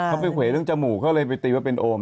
เขาไปเขวาเรื่องจมูกเขาเลยไปตีว่าเป็นโอม